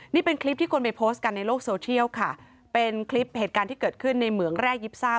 นี่เป็นคลิปที่คนไปโพสต์กันในโลกโซเชียลค่ะเป็นคลิปเหตุการณ์ที่เกิดขึ้นในเหมืองแรก๒๓